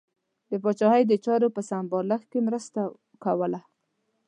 د پاچاهۍ د چارو په سمبالښت کې مرسته کوله.